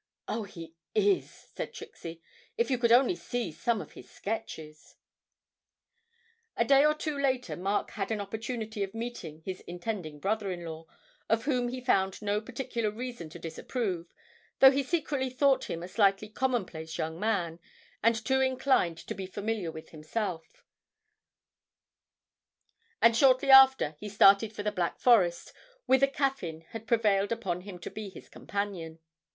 'Oh, he is,' said Trixie; 'if you could only see some of his sketches!' A day or two later, Mark had an opportunity of meeting his intending brother in law, of whom he found no particular reason to disapprove, though he secretly thought him a slightly commonplace young man, and too inclined to be familiar with himself; and shortly after he started for the Black Forest, whither Caffyn had prevailed upon him to be his companion.